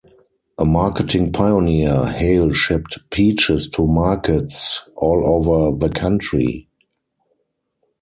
A marketing pioneer, Hale shipped peaches to markets all over the country.